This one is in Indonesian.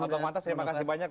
pak mantas terima kasih banyak